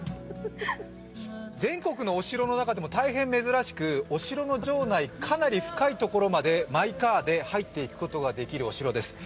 全国のお城の中でも大変珍しくお城の城内かなり深いところまでマイカーで入っていくことのできるお城です。